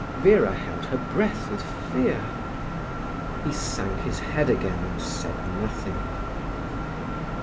Vera held her breath with fear. He sank his head again and said nothing.